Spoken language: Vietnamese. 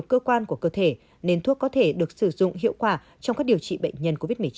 cơ quan của cơ thể nên thuốc có thể được sử dụng hiệu quả trong các điều trị bệnh nhân covid một mươi chín